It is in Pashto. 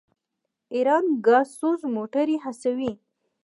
ایران ګازسوز موټرې هڅوي.